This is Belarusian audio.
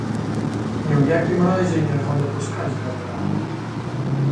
Ні ў якім разе нельга дапускаць гэтага.